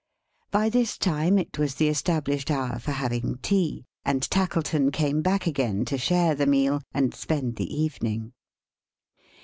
By this time it was the established hour for having tea; and Tackleton came back again, to share the meal, and spend the evening.